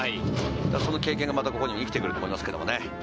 その経験がここにも生きてくると思いますけどね。